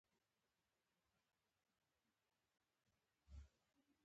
د مینې خبرې د زړه دروازې خلاصوي.